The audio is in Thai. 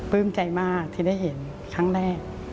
ใจมากที่ได้เห็นครั้งแรก